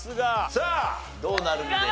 さあどうなるんでしょうか？